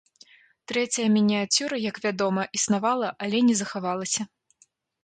Трэцяя мініяцюра, як вядома, існавала, але не захавалася.